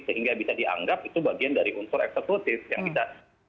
sehingga bisa dianggap itu bagian dari unsur eksekutif yang kita